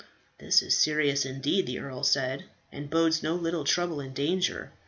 "This is serious indeed," the earl said, "and bodes no little trouble and danger.